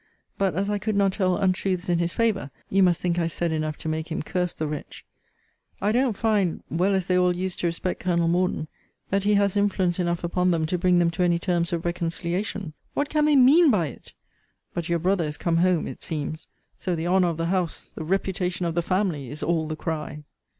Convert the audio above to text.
But, as I could not tell untruths in his favour, you must think I said enough to make him curse the wretch. I don't find, well as they all used to respect Colonel Morden, that he has influence enough upon them to bring them to any terms of reconciliation. What can they mean by it! But your brother is come home, it seems: so, the honour of the house, the reputation of the family, is all the cry!